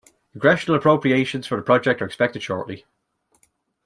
Congressional appropriations for the project are expected shortly.